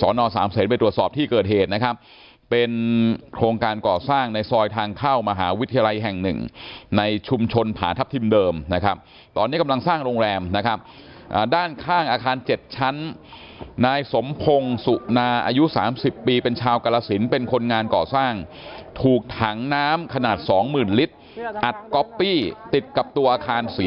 สอนอสามเศษไปตรวจสอบที่เกิดเหตุนะครับเป็นโครงการก่อสร้างในซอยทางเข้ามหาวิทยาลัยแห่งหนึ่งในชุมชนผาทัพทิมเดิมนะครับตอนนี้กำลังสร้างโรงแรมนะครับด้านข้างอาคารเจ็ดชั้นนายสมพงศ์สุนาอายุ๓๐ปีเป็นชาวกรสินเป็นคนงานก่อสร้างถูกถังน้ำขนาดสองหมื่นลิตรอัดก๊อปปี้ติดกับตัวอาคารเส